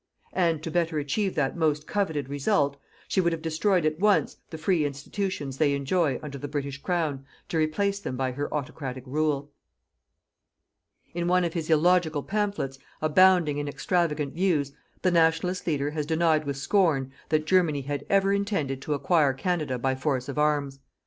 And to better achieve that most coveted result, she would have destroyed at once the free institutions they enjoy under the British Crown to replace them by her autocratic rule. In one of his illogical pamphlets, abounding in extravagant views, the Nationalist leader has denied with scorn that Germany had ever intended to acquire Canada by force of arms.